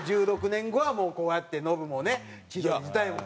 １６年後はもうこうやってノブもね千鳥自体も。